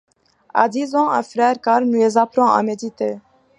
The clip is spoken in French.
À dix ans un frère carme lui apprend à méditer.